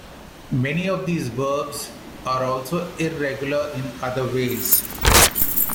Many of these verbs are also irregular in other ways.